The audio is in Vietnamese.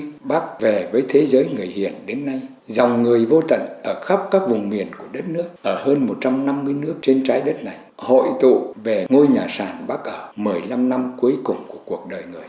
khi bác về với thế giới người hiền đến nay dòng người vô tận ở khắp các vùng miền của đất nước ở hơn một trăm năm mươi nước trên trái đất này hội tụ về ngôi nhà sàn bác ở một mươi năm năm cuối cùng của cuộc đời người